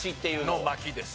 の巻です。